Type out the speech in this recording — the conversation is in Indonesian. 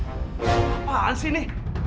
apaan sih ini